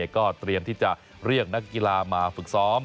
ก็เตรียมที่จะเรียกนักกีฬามาฝึกซ้อม